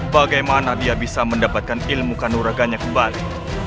bagaimana dia bisa mendapatkan ilmu kanuraganya kembali